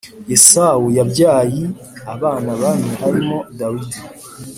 yesawu yabyayi abana bane harimo dawidi